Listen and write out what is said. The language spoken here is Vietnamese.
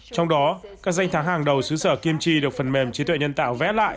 trong đó các danh thắng hàng đầu xứ sở kim chi được phần mềm trí tuệ nhân tạo vẽ lại